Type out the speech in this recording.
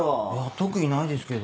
特にないですけど。